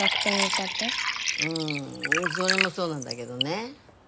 うんそれもそうなんだげどね。